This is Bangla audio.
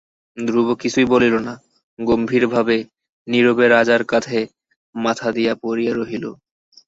ধ্রুব কিছুই বলিল না, গম্ভীর ভাবে নীরবে রাজার কাঁধে মাথা দিয়া পড়িয়া রহিল।